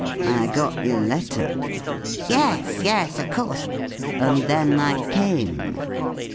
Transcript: I got your letter '' Yes, yes, of course.' ' And then I came.'